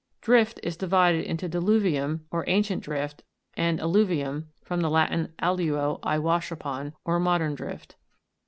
Drift is divided into DILU'VIUM, or ancient drift, and ALLU' VIUM (from the Latin, alluo, I wash upon), or modern drift.